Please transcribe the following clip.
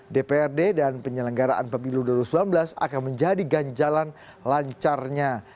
dprd dan penyelenggaraan pemilu dua ribu sembilan belas akan menjadi ganjalan lancarnya